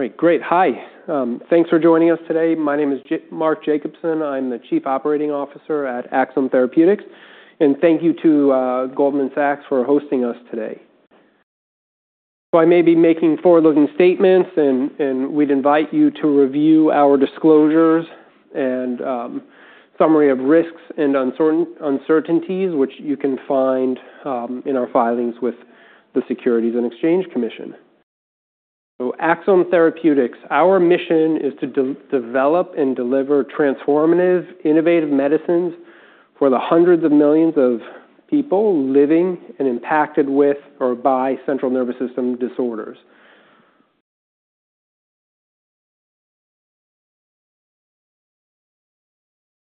All right, great. Hi. Thanks for joining us today. My name is Mark Jacobson. I'm the Chief Operating Officer at Axsome Therapeutics. Thank you to Goldman Sachs for hosting us today. I may be making forward-looking statements, and we'd invite you to review our disclosures and summary of risks and uncertainties, which you can find in our filings with the Securities and Exchange Commission. Axsome Therapeutics, our mission is to develop and deliver transformative, innovative medicines for the hundreds of millions of people living and impacted with or by central nervous system disorders.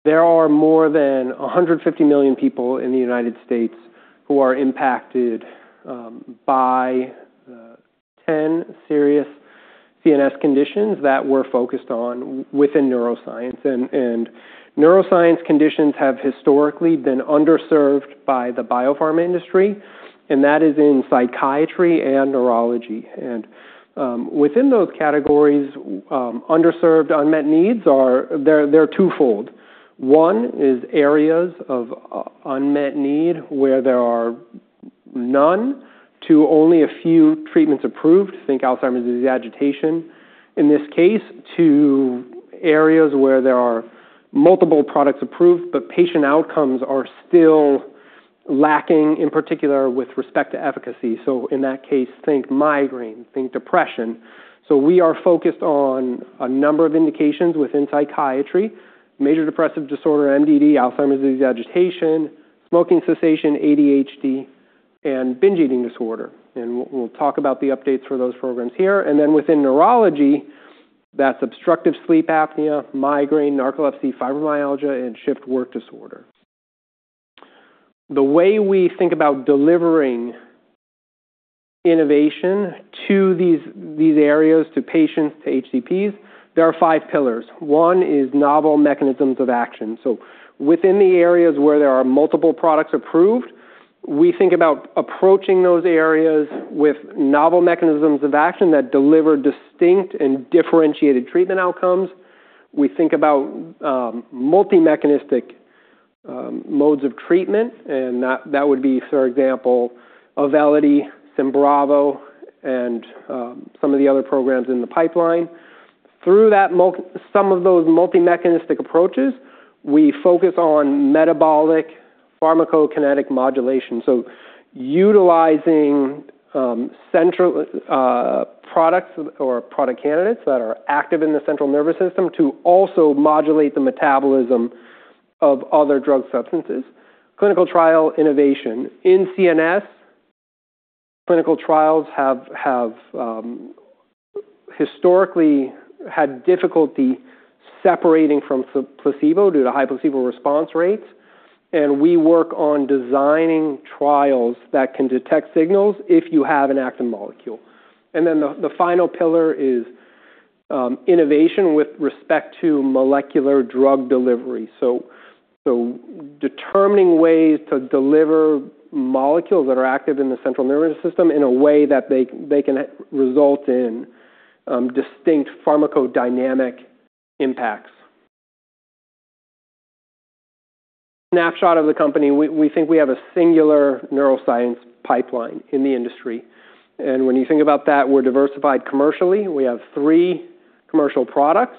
There are more than 150 million people in the United States who are impacted by the 10 serious CNS conditions that we're focused on within neuroscience. Neuroscience conditions have historically been underserved by the biopharma industry, and that is in psychiatry and neurology. Within those categories, underserved unmet needs are twofold. One is areas of unmet need where there are none to only a few treatments approved, think Alzheimer's disease agitation in this case, to areas where there are multiple products approved, but patient outcomes are still lacking, in particular with respect to efficacy. In that case, think migraine, think depression. We are focused on a number of indications within psychiatry: major depressive disorder, MDD, Alzheimer's disease agitation, smoking cessation, ADHD, and binge eating disorder. We'll talk about the updates for those programs here. Within neurology, that's obstructive sleep apnea, migraine, narcolepsy, fibromyalgia, and shift work disorder. The way we think about delivering innovation to these areas, to patients, to HCPs, there are five pillars. One is novel mechanisms of action. Within the areas where there are multiple products approved, we think about approaching those areas with novel mechanisms of action that deliver distinct and differentiated treatment outcomes. We think about multi-mechanistic modes of treatment, and that would be, for example, Auvelity, Symbravo, and some of the other programs in the pipeline. Through some of those multi-mechanistic approaches, we focus on metabolic pharmacokinetic modulation. Utilizing central products or product candidates that are active in the central nervous system to also modulate the metabolism of other drug substances. Clinical trial innovation. In CNS, clinical trials have historically had difficulty separating from placebo due to high placebo response rates. We work on designing trials that can detect signals if you have an active molecule. The final pillar is innovation with respect to molecular drug delivery. Determining ways to deliver molecules that are active in the central nervous system in a way that they can result in distinct pharmacodynamic impacts. Snapshot of the company, we think we have a singular neuroscience pipeline in the industry. When you think about that, we're diversified commercially. We have three commercial products,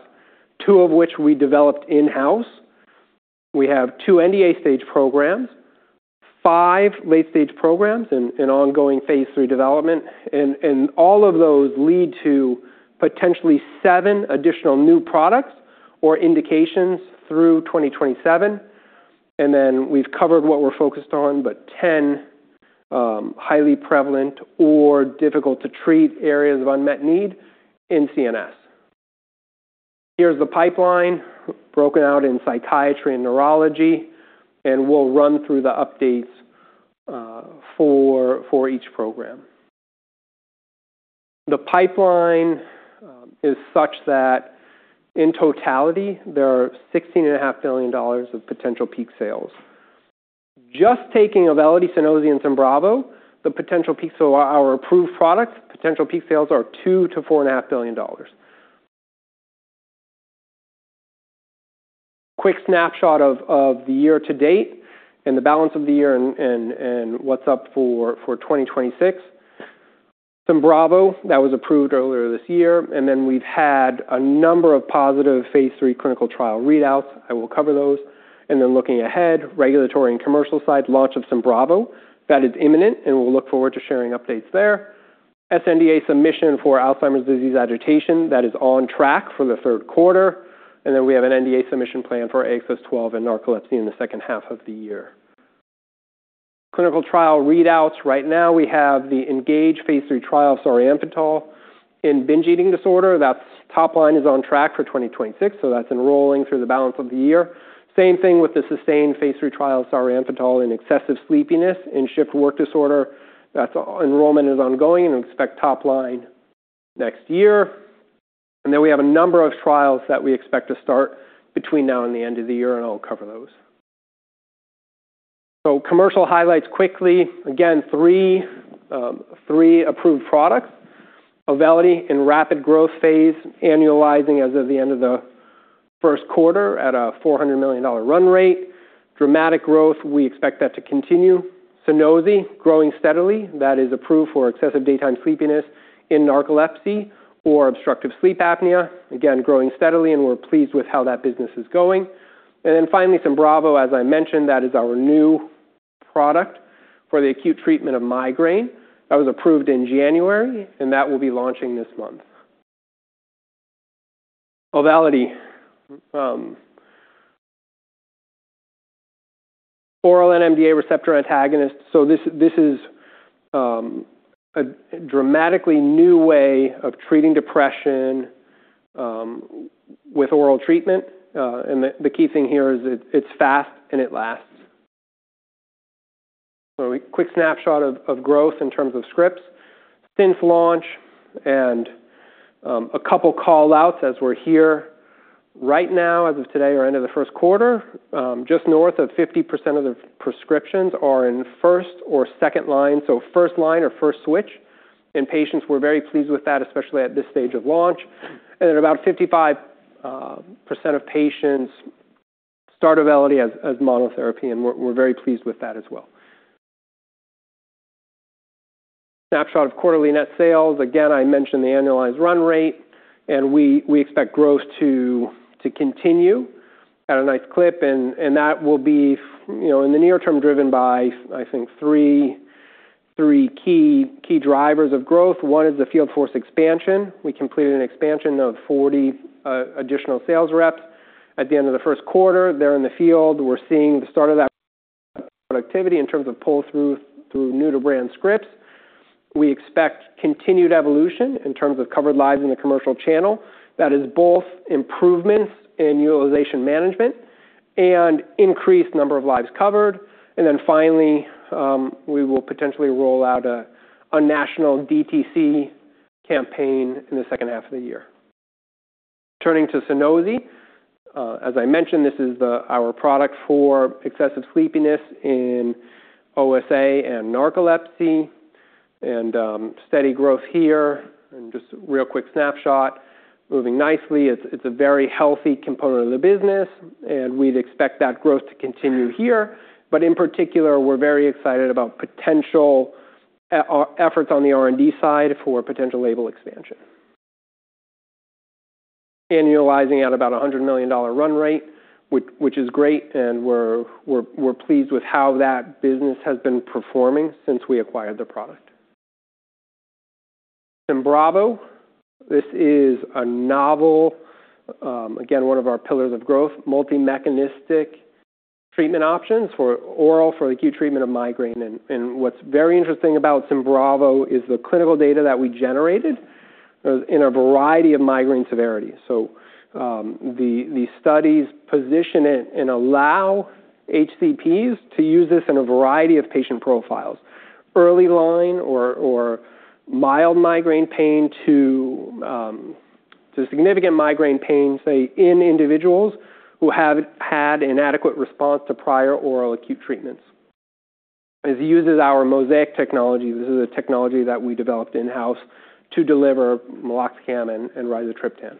two of which we developed in-house. We have two NDA stage programs, five late-stage programs in ongoing phase three development. All of those lead to potentially seven additional new products or indications through 2027. We've covered what we're focused on, but 10 highly prevalent or difficult to treat areas of unmet need in CNS. Here's the pipeline broken out in psychiatry and neurology, and we'll run through the updates for each program. The pipeline is such that in totality, there are $16.5 billion of potential peak sales. Just taking Auvelity, Sunosi, and Symbravo, the potential peaks are approved products. Potential peak sales are $2 billion-$4.5 billion. Quick snapshot of the year to date and the balance of the year and what's up for 2026. Symbravo that was approved earlier this year. And then we've had a number of positive phase 3 clinical trial readouts. I will cover those. Looking ahead, regulatory and commercial side, launch of Symbravo that is imminent, and we'll look forward to sharing updates there. SNDA submission for Alzheimer's disease agitation that is on track for the third quarter. We have an NDA submission plan for AXS-12 in narcolepsy in the second half of the year. Clinical trial readouts right now, we have the ENGAGE phase 3 trial of solriamfetol in binge eating disorder. That top line is on track for 2026, so that's enrolling through the balance of the year. Same thing with the sustained phase three trial of solriamfetol in excessive sleepiness in shift work disorder. That enrollment is ongoing and expect top line next year. We have a number of trials that we expect to start between now and the end of the year, and I'll cover those. Commercial highlights quickly. Again, three approved products. Auvelity in rapid growth phase, annualizing as of the end of the first quarter at a $400 million run rate. Dramatic growth, we expect that to continue. Sunosi, growing steadily, that is approved for excessive daytime sleepiness in narcolepsy or obstructive sleep apnea. Growing steadily, and we're pleased with how that business is going. Finally, Symbravo, as I mentioned, that is our new product for the acute treatment of migraine. That was approved in January, and that will be launching this month. Auvelity, oral NMDA receptor antagonist. This is a dramatically new way of treating depression with oral treatment. The key thing here is it's fast and it lasts. Quick snapshot of growth in terms of scripts since launch and a couple of callouts as we're here. Right now, as of today or end of the first quarter, just north of 50% of the prescriptions are in first or second line. First line or first switch in patients. We're very pleased with that, especially at this stage of launch. About 55% of patients start Auvelity as monotherapy, and we're very pleased with that as well. Snapshot of quarterly net sales. I mentioned the annualized run rate, and we expect growth to continue at a nice clip. That will be in the near term driven by, I think, three key drivers of growth. One is the field force expansion. We completed an expansion of 40 additional sales reps at the end of the first quarter. They are in the field. We are seeing the start of that productivity in terms of pull-through through new-to-brand scripts. We expect continued evolution in terms of covered lives in the commercial channel. That is both improvements in utilization management and increased number of lives covered. Finally, we will potentially roll out a national DTC campaign in the second half of the year. Turning to Sunosi, as I mentioned, this is our product for excessive sleepiness in OSA and narcolepsy and steady growth here. Just a real quick snapshot, moving nicely. It is a very healthy component of the business, and we would expect that growth to continue here. In particular, we're very excited about potential efforts on the R&D side for potential label expansion. Annualizing at about a $100 million run rate, which is great, and we're pleased with how that business has been performing since we acquired the product. Symbravo, this is a novel, again, one of our pillars of growth, multi-mechanistic treatment options for oral for acute treatment of migraine. What's very interesting about Symbravo is the clinical data that we generated in a variety of migraine severities. The studies position it and allow HCPs to use this in a variety of patient profiles, early line or mild migraine pain to significant migraine pain, say, in individuals who have had inadequate response to prior oral acute treatments. It uses our Mosaic technology. This is a technology that we developed in-house to deliver meloxicam and rizatriptan.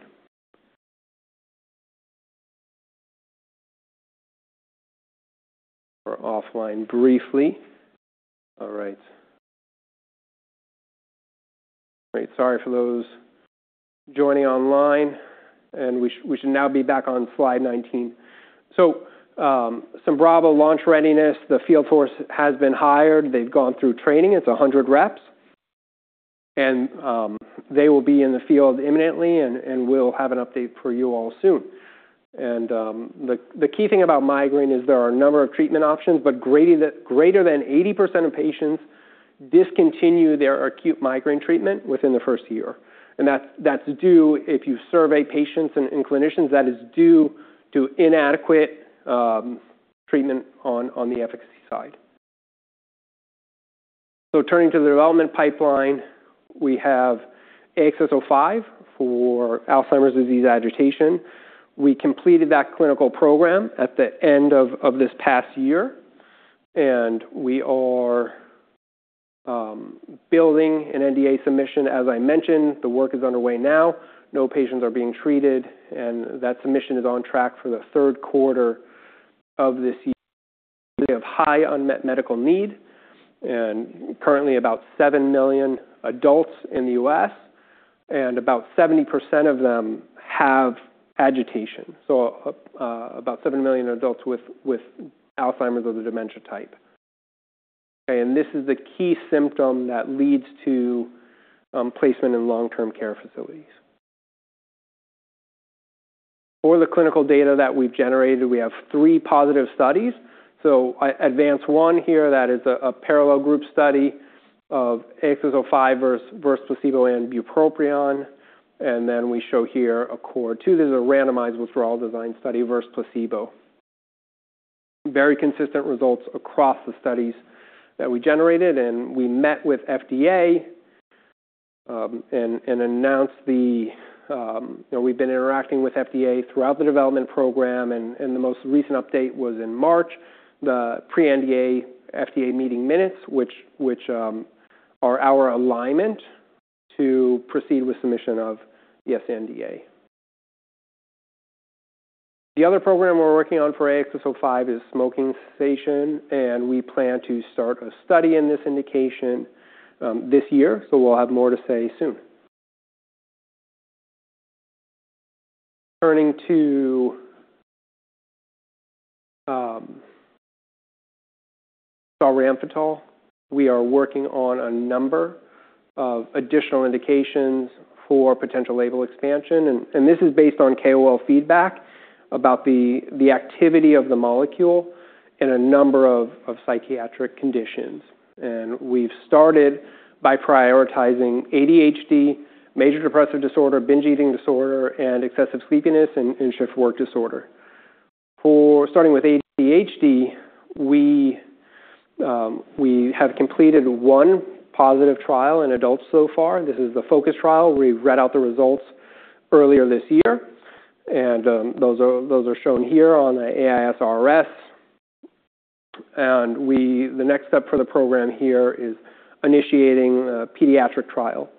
We're offline briefly. All right. Great. Sorry for those joining online. We should now be back on slide 19. Simbravo launch readiness. The field force has been hired. They've gone through training. It's 100 reps. They will be in the field imminently, and we'll have an update for you all soon. The key thing about migraine is there are a number of treatment options, but greater than 80% of patients discontinue their acute migraine treatment within the first year. If you survey patients and clinicians, that is due to inadequate treatment on the efficacy side. Turning to the development pipeline, we have AXS-05 for Alzheimer's disease agitation. We completed that clinical program at the end of this past year. We are building an NDA submission. As I mentioned, the work is underway now. No patients are being treated, and that submission is on track for the third quarter of this year. They have high unmet medical need and currently about 7 million adults in the US, and about 70% of them have agitation. About 7 million adults with Alzheimer's of the dementia type. This is the key symptom that leads to placement in long-term care facilities. For the clinical data that we've generated, we have three positive studies. Advance one here, that is a parallel group study of AXS-05 versus placebo and bupropion. We show here a core two. This is a randomized withdrawal design study versus placebo. Very consistent results across the studies that we generated, and we met with FDA and announced that we've been interacting with FDA throughout the development program. The most recent update was in March, the pre-NDA FDA meeting minutes, which are our alignment to proceed with submission of the SNDA. The other program we're working on for AXS-05 is smoking cessation, and we plan to start a study in this indication this year. We'll have more to say soon. Turning to Solriamfetol, we are working on a number of additional indications for potential label expansion. This is based on KOL feedback about the activity of the molecule in a number of psychiatric conditions. We've started by prioritizing ADHD, major depressive disorder, binge eating disorder, and excessive sleepiness in shift work disorder. Starting with ADHD, we have completed one positive trial in adults so far. This is the focus trial. We read out the results earlier this year, and those are shown here on the AISRS. The next step for the program here is initiating a pediatric trial,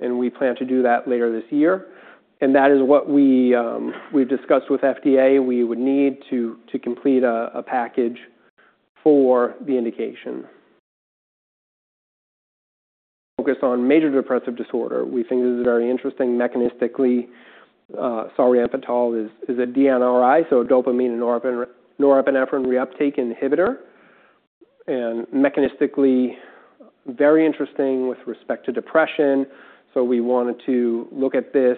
and we plan to do that later this year. That is what we've discussed with FDA. We would need to complete a package for the indication. Focused on major depressive disorder, we think this is very interesting. Mechanistically, solriamfetol is a DNRI, so dopamine and norepinephrine reuptake inhibitor, and mechanistically very interesting with respect to depression. We wanted to look at this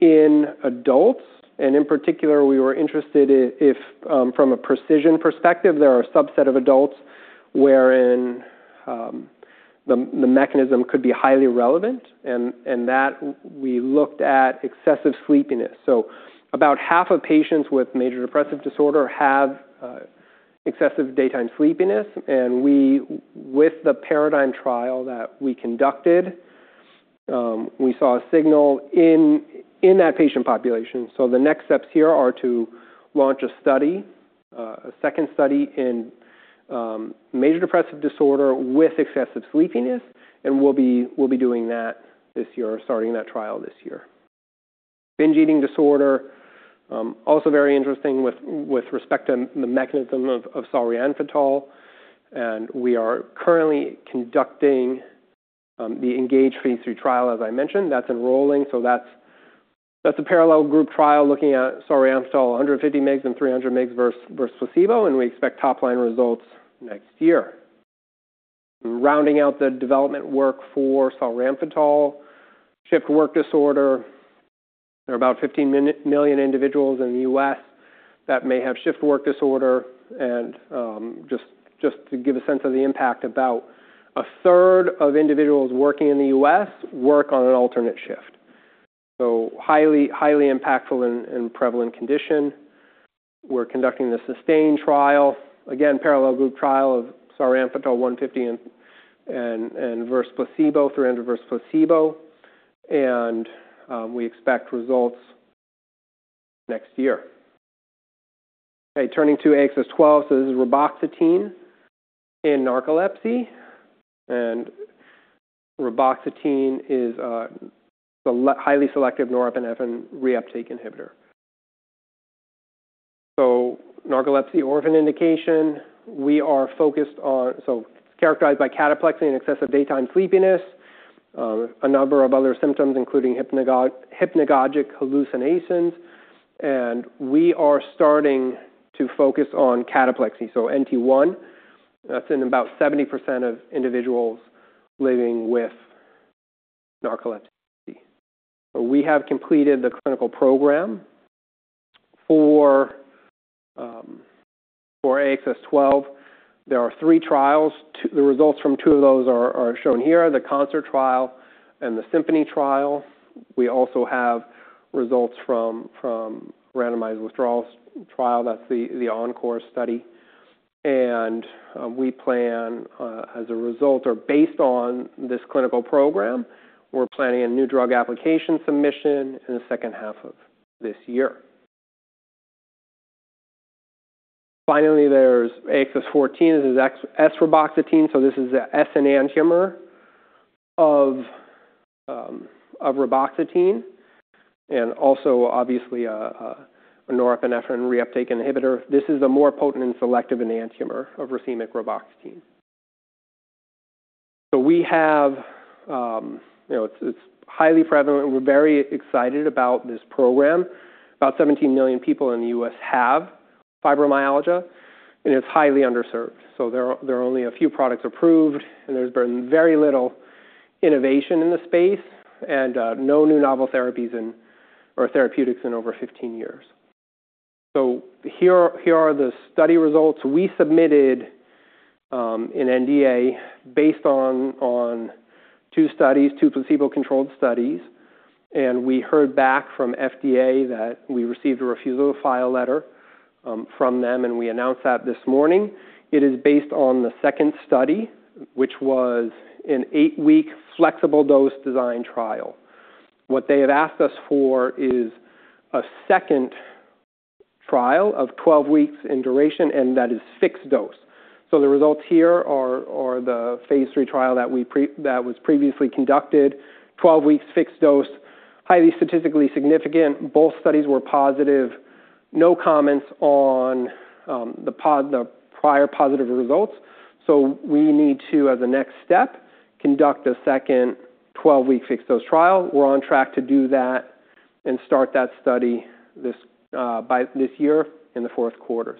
in adults. In particular, we were interested if from a precision perspective, there are a subset of adults wherein the mechanism could be highly relevant. We looked at excessive sleepiness. About half of patients with major depressive disorder have excessive daytime sleepiness. With the PARADIGM trial that we conducted, we saw a signal in that patient population. The next steps here are to launch a study, a second study in major depressive disorder with excessive sleepiness. We'll be doing that this year, starting that trial this year. Binge eating disorder, also very interesting with respect to the mechanism of solriamfetol. We are currently conducting the ENGAGE phase three trial, as I mentioned. That's enrolling. That's a parallel group trial looking at solriamfetol, 150 mg and 300 mg versus placebo, and we expect top line results next year. Rounding out the development work for solriamfetol, shift work disorder, there are about 15 million individuals in the U.S. that may have shift work disorder. Just to give a sense of the impact, about a third of individuals working in the U.S. work on an alternate shift. Highly impactful and prevalent condition. We're conducting the SUSTAIN trial. Again, parallel group trial of solriamfetol 150 and versus placebo, 300 versus placebo. We expect results next year. Okay. Turning to AXS-12. This is reboxetine in narcolepsy. Reboxetine is a highly selective norepinephrine reuptake inhibitor. Narcolepsy orphan indication, we are focused on, so it is characterized by cataplexy and excessive daytime sleepiness, a number of other symptoms including hypnagogic hallucinations. We are starting to focus on cataplexy. NT1, that is in about 70% of individuals living with narcolepsy. We have completed the clinical program. For AXS-12, there are three trials. The results from two of those are shown here, the CONCERT trial and the SYMPHONY trial. We also have results from randomized withdrawal trial. That is the ENCORE study. We plan as a result or based on this clinical program, we are planning a new drug application submission in the second half of this year. Finally, there's AXS-14. This is esreboxetine. So this is an S enantiomer of reboxetine and also, obviously, a norepinephrine reuptake inhibitor. This is a more potent and selective enantiomer of racemic reboxetine. We have it's highly prevalent. We're very excited about this program. About 17 million people in the US have fibromyalgia, and it's highly underserved. There are only a few products approved, and there's been very little innovation in the space and no new novel therapies or therapeutics in over 15 years. Here are the study results. We submitted an NDA based on two studies, two placebo-controlled studies. We heard back from FDA that we received a refusal to file letter from them, and we announced that this morning. It is based on the second study, which was an eight-week flexible dose design trial. What they have asked us for is a second trial of 12 weeks in duration, and that is fixed dose. The results here are the phase three trial that was previously conducted, 12 weeks fixed dose, highly statistically significant. Both studies were positive. No comments on the prior positive results. We need to, as a next step, conduct a second 12-week fixed dose trial. We're on track to do that and start that study this year in the fourth quarter.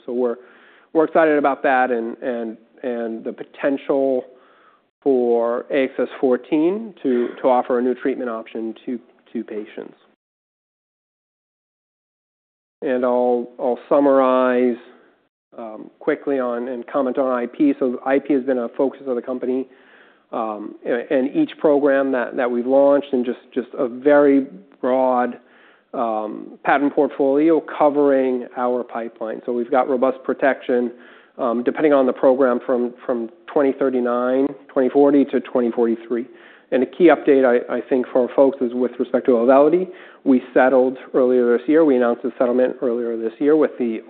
We're excited about that and the potential for AXS-14 to offer a new treatment option to patients. I'll summarize quickly and comment on IP. IP has been a focus of the company and each program that we've launched and just a very broad patent portfolio covering our pipeline. We've got robust protection depending on the program from 2039, 2040 to 2043. A key update, I think, for folks is with respect to Auvelity. We settled earlier this year. We announced the settlement earlier this year with the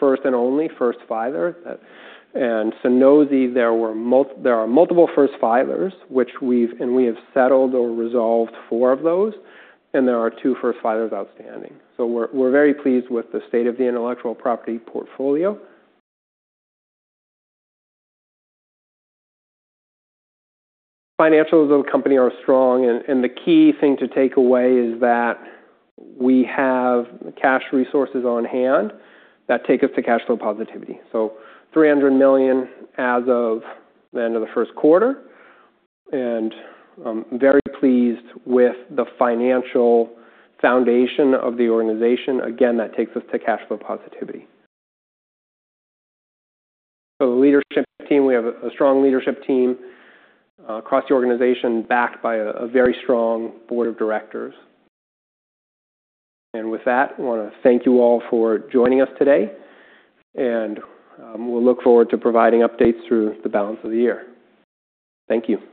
first and only first filer. For Sunosi, there are multiple first filers, and we have settled or resolved four of those. There are two first filers outstanding. We are very pleased with the state of the intellectual property portfolio. Financials of the company are strong. The key thing to take away is that we have cash resources on hand that take us to cash flow positivity. $300 million as of the end of the first quarter. I am very pleased with the financial foundation of the organization. Again, that takes us to cash flow positivity. The leadership team, we have a strong leadership team across the organization backed by a very strong board of directors. I want to thank you all for joining us today. We will look forward to providing updates through the balance of the year. Thank you.